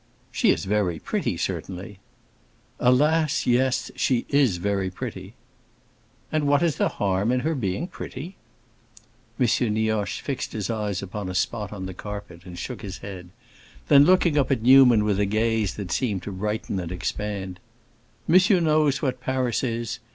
"She is very pretty, certainly." "Alas, yes, she is very pretty!" "And what is the harm in her being pretty?" M. Nioche fixed his eyes upon a spot on the carpet and shook his head. Then looking up at Newman with a gaze that seemed to brighten and expand, "Monsieur knows what Paris is.